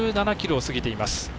１７ｋｍを過ぎています。